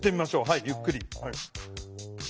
はいゆっくり。